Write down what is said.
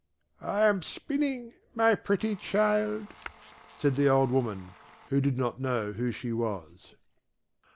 "I am spinning, my pretty child," said the old woman, who did not know who she was.